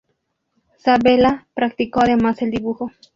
Sabella practicó además el dibujo.